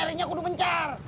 saya punya kunci rantai